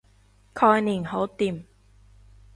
概念好掂